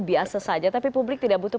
biasa saja tapi publik tidak butuh